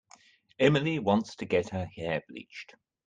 Emily wants to get her hair bleached.